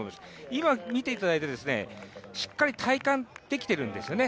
今見ていただいて、しっかり体幹出来ているんですよね。